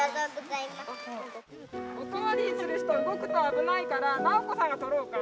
お代わりする人動くと危ないから奈緒子さんが取ろうか？